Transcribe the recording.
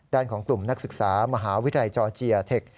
ของกลุ่มนักศึกษามหาวิทยาลัยจอร์เจียเทค